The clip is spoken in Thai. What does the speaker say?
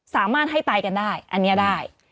สามารถให้ตายกันได้อันนี้ได้